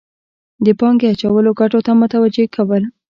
د پانګې اچولو ګټو ته متوجه کول.